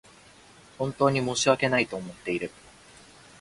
本当に申し訳ないと思っている